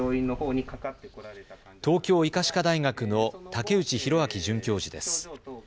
東京医科歯科大学の武内寛明准教授です。